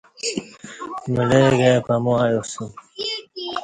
مڑہ گای پمو ایاسوم